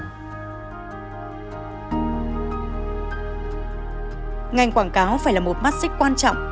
ngành quảng cáo phải là một mắt xích quan trọng